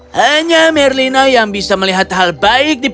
hanya merlina yang bisa melihat hal baik di pb